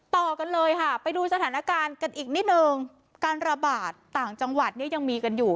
ต่อกันเลยค่ะไปดูสถานการณ์กันอีกนิดนึงการระบาดต่างจังหวัดเนี่ยยังมีกันอยู่